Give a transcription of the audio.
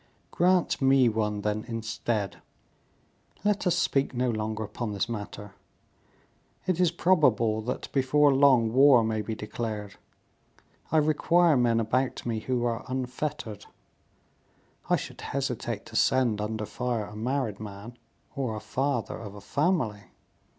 "Grant me one, then, instead; let us speak no longer upon this matter. It is probable that, before long, war may be declared. I require men about me who are unfettered. I should hesitate to send under fire a married man, or a father of a family.